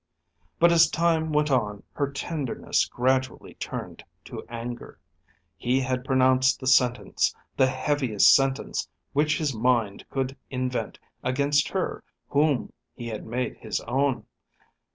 But as time went on her tenderness gradually turned to anger. He had pronounced the sentence, the heaviest sentence which his mind could invent against her whom he had made his own.